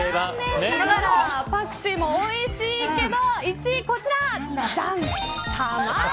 パクチーもおいしいけど１位はこちら。